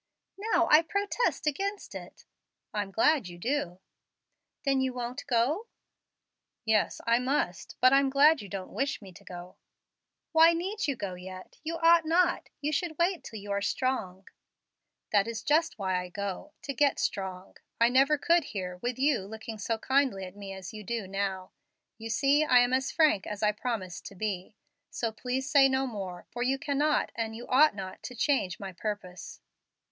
"Now I protest against it." "I'm glad you do." "Then you won't go?" "Yes, I must; but I'm glad you don't wish me to go" "Why need you go yet? You ought not. You should wait till you are strong." "That is just why I go to get strong. I never could here, with you looking so kindly at me as you do now. You see I am as frank as I promised to be. So please say no more, for you cannot and you ought not to change my purpose."